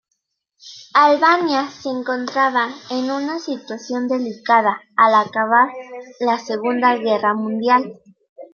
Albania se encontraba en una situación delicada al acabar la Segunda Guerra Mundial.